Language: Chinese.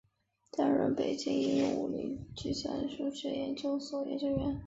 担任北京应用物理与计算数学研究所研究员。